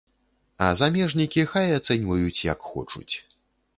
А замежнікі хай ацэньваюць, як хочуць.